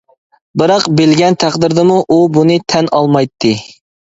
بىراق بىلگەن تەقدىردىمۇ ئۇ بۇنى تەن ئالمايتتى.